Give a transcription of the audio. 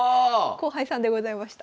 後輩さんでございました。